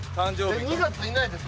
２月いないですか？